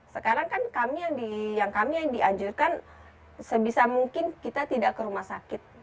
sekarang kami yang diajarkan sebisa mungkin kita tidak ke rumah sakit